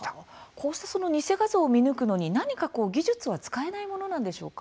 こうした偽画像を見抜くのに何か技術は使えないんでしょうか。